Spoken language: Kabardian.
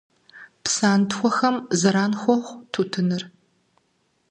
Псантхуэхэм зэран хуохъу тутынри.